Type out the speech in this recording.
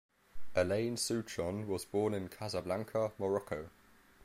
Alain Souchon was born in Casablanca, Morocco.